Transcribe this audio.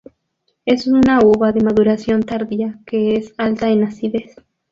Es una uva de maduración tardía que es alta en acidez.